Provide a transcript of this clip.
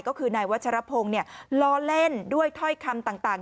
ก็คือนายวัชรพงศ์ล้อเล่นด้วยถ้อยคำต่าง